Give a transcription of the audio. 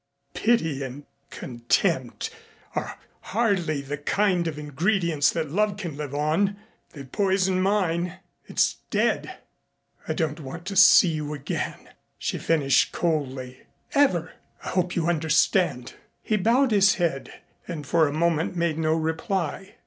"Pity and contempt are hardly the kind of ingredients that love can live on. They've poisoned mine. It's dead. I don't want to see you again," she finished coldly "ever. I hope you understand." He bowed his head and for a moment made no reply.